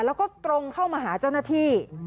แล้วก็ตรงเข้ามาหาเจ้าหน้าที่